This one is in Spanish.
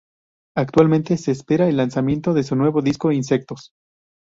Actualmente se espera el lanzamiento de su nuevo disco insectos.